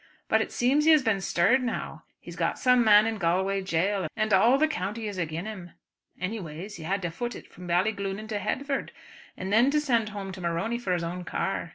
But it seems he has been stirred now. He has got some man in Galway jail, and all the country is agin him. Anyways he had to foot it from Ballyglunin to Headford, and then to send home to Morony for his own car."